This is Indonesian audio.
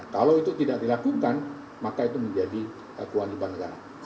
kalau itu tidak dilakukan maka itu menjadi keuangan di bagian negara